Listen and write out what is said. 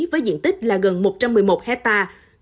với diện tích là gần một trăm một mươi một hectare